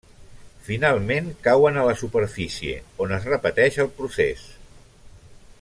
Finalment cauen a la superfície, on es repeteix el procés.